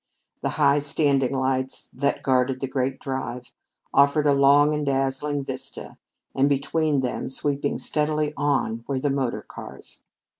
The high standing lights that guarded the great drive offered a long and dazzling vista, and between them, sweeping steadily on, were the motor cars.